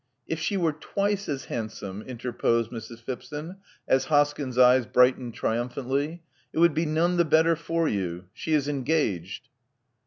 '*If she were twice as handsome," interposed Mrs. Phipson, as Hoskyn's eyes brightened triumphantly^ it would be none the better for you. She is engaged."